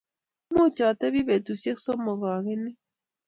Much atebi betushiek somok agenyi